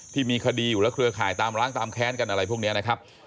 ที่มีคดีอยู่แล้วเครือข่ายตามร้างตามแค้นกันอะไรพวกนี้นะครับ